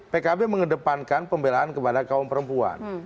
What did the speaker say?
pkb mengedepankan pembelaan kepada kaum perempuan